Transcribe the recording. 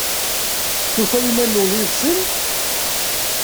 Tufam iman-nwen yid-sen?